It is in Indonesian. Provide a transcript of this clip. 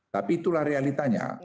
tapi itulah realitanya